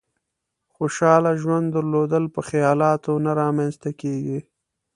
خوشحاله ژوند درلودل په خيالاتو نه رامېنځ ته کېږي.